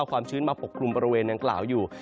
ความชื้นมาปกปรุงบริเวณอังกฬาวอยู่